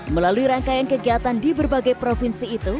melalui rangkaian kegiatan di berbagai provinsi itu